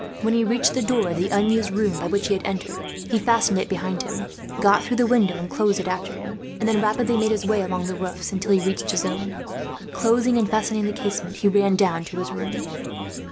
When he reached the door of the unused room by which they had entered, he fastened it behind him, got through the window and closed it after him, and then rapidly made his way along the roofs, until he reached his own. Closing and fastening the casement, he ran down to his room.